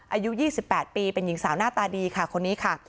อายุ๒๘ปีเป็นหญิงสาวหน้าตาดีค่ะคนนี้ค่ะ